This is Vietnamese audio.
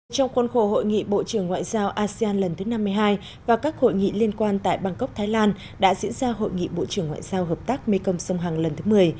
trong khuôn khổ hội nghị bộ trưởng ngoại giao asean lần thứ năm mươi hai và các hội nghị liên quan tại bangkok thái lan đã diễn ra hội nghị bộ trưởng ngoại giao hợp tác mê công sông hằng lần thứ một mươi